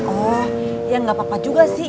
oh ya nggak apa apa juga sih